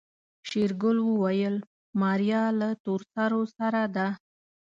شېرګل وويل ماريا له تورسرو سره ده.